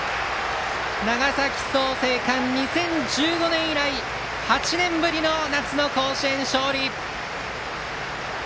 長崎・創成館、２０１５年以来８年ぶりの夏の甲子園勝利！